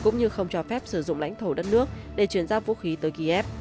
nga không cho phép sử dụng lãnh thổ đất nước để chuyển giao vũ khí tới kiev